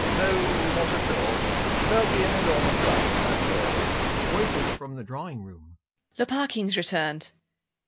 No, not at all. There'll be an enormous bump, that's all. VOICES FROM THE DRAWING ROOM. Lopakhin's returned!